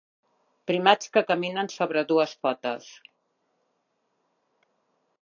Primats que caminen sobre dues potes.